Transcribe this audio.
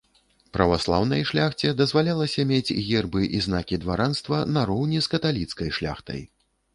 Праваслаўнай шляхце дазвалялася мець гербы і знакі дваранства нароўні з каталіцкай шляхтай.